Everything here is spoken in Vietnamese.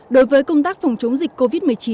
đối với công tác phòng chống dịch covid một mươi chín